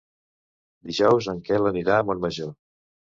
Dijous en Quel anirà a Montmajor.